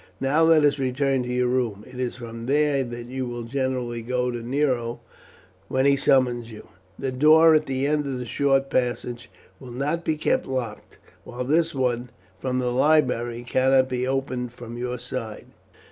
Now let us return to your room. It is from there you will generally go to Nero when he summons you. That door at the end of the short passage will not be kept locked, while this one from the library cannot be opened from your side.